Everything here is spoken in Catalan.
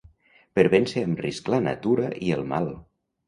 Per vèncer amb risc la Natura i el Mal.